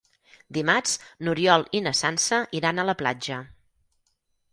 Dimarts n'Oriol i na Sança iran a la platja.